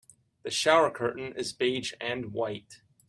The shower curtain is beige and white.